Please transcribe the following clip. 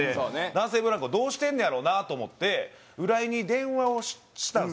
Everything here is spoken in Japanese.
男性ブランコどうしてんねやろなと思って浦井に電話をしたんですよ。